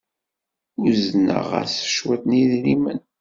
Uzneɣ-as cwiṭ n yidrimen.